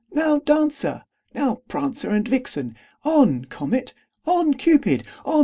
now, Dancer! now, Prancer and Vixen! On! Comet, on! Cupid, on!